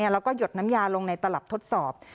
แล้วก็หยดน้ำยาลงในตลับทดสอบ